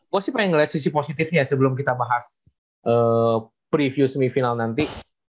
gue sih pengen ngeliat sisi positifnya sebelum kita bahas preview semifinal nanti